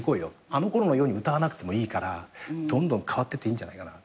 あのころのように歌わなくてもいいからどんどん変わってっていいんじゃないかな。